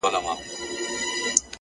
له سهاره تر ماښامه په ژړا یو.!